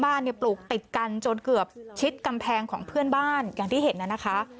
บ้านเนี่ยปลูกติดกันจนเกือบชิดกำแพงของเพื่อนบ้านอย่างที่เห็นน่ะนะคะ